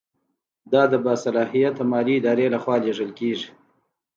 دا د باصلاحیته مالي ادارې له خوا لیږل کیږي.